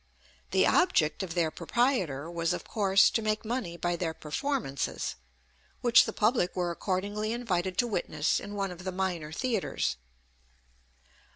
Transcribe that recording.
The object of their proprietor was, of course, to make money by their performances, which the public were accordingly invited to witness in one of the minor theatres.